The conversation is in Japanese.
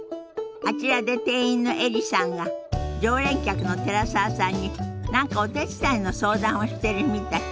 あちらで店員のエリさんが常連客の寺澤さんに何かお手伝いの相談をしてるみたい。